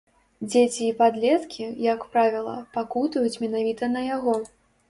Дзеці і падлеткі, як правіла, пакутуюць менавіта на яго.